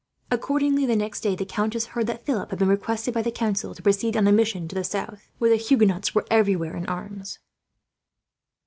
Accordingly, the next day, the countess heard that Philip had been requested by the council to proceed on a mission to the south, where the Huguenots were everywhere in arms.